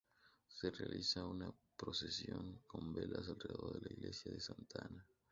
Se realiza una procesión con velas alrededor de la Iglesia de Santa Ana.